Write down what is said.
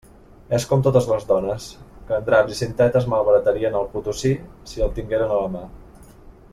És com totes les dones, que en draps i cintetes malbaratarien el Potosí si el tingueren a la mà.